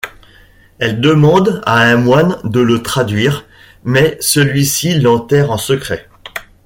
Elle demande à un moine de le traduire, mais celui-ci l'enterre en secret.